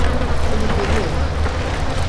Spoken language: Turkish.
Seni görüyorum.